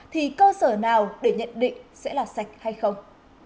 thì cơ sở nào để nhận định sẽ là sạch hay không